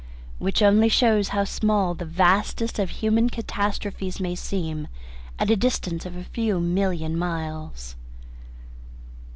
Which only shows how small the vastest of human catastrophes may seem at a distance of a few million miles.